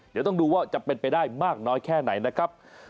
เดี๋ยวต้องดูว่าจะเป็นไปได้มากน้อยแค่ไหนนะครับ